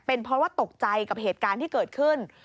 เป็นเพราะว่าตกใจกับเหตุการณ์ที่เกิดขึ้น